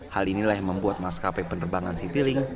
hal inilah yang membuat maskapai penerbangan citylink